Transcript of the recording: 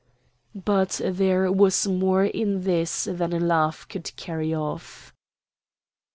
But there was more in this than a laugh could carry off.